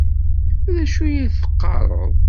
D acu i ad teqqaṛeḍ?